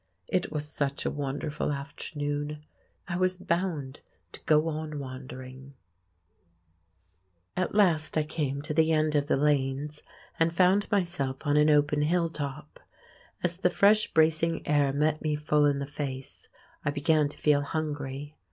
It was such a wonderful afternoon: I was bound to go on wandering. At last I came to the end of the lanes and found myself on an open hilltop. As the fresh bracing air met me full in the face, I began to feel hungry.